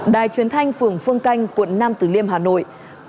đài truyền thanh phường phương canh quận nam tử liêm hà nội